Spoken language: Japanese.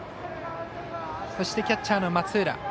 そして、キャッチャーの松浦。